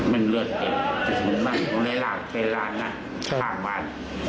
มันเลือดเจ็บจะถึงบ้างต้องได้รากเป็นล้านนะข้างบน